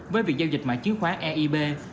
với việc giao dịch mạng chứng khoán eib